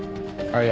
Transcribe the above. はい。